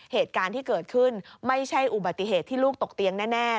เหตุการณ์ที่เกิดขึ้นไม่ใช่อุบัติเหตุที่ลูกตกเตียงแน่